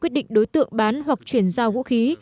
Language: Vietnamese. quyết định đối tượng bán hoặc chuyển giao vũ khí